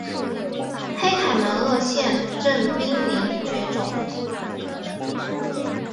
黑凯门鳄现正濒临绝种。